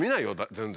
全然。